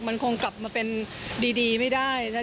มันคงกลับมาเป็นดีไม่ได้นะ